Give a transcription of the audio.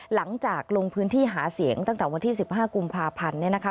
หลังจากลงพื้นที่หาเสียงตั้งแต่วันที่๑๕กุมภาพันธ์เนี่ยนะคะ